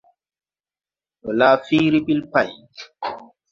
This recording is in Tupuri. Ndo laa fiiri ɓil pay.